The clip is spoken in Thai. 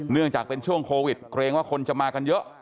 เนื่องจากเป็นช่วงโควิดเกรงว่าคนจะมากันเยอะ